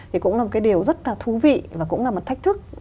thì cũng là một cái điều rất là thú vị và cũng là một thách thức